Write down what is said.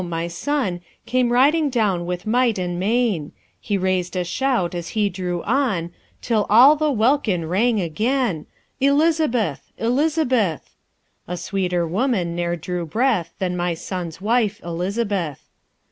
my sonne Came riding downe with might and main: He raised a shout as he drew on, Till all the welkin rang again, 'Elizabeth! Elizabeth!' (A sweeter woman ne'er drew breath Than my sonne's wife Elizabeth.)